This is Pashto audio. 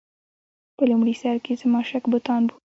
په لومړي سر کې زما شک بتان و.